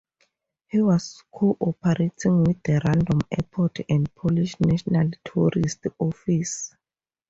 He was cooperating with the Radom Airport and Polish National Tourist Office.